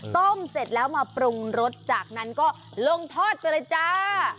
ต้มเสร็จแล้วมาปรุงรสจากนั้นก็ลงทอดไปเลยจ้า